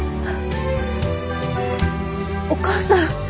お義母さん。